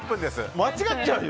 間違っちゃうよ！